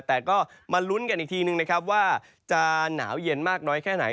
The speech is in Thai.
แต่ก็มาลุ้นกันอีกทีนึงนะครับว่าจะหนาวเย็นมากน้อยแค่ไหน